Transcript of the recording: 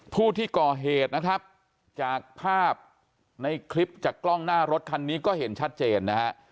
ผู้ที่ก่อเหตุนะครับจากภาพในคลิปจากกล้องหน้ารถคันนี้ก็เห็นชัดเจนนะฮะ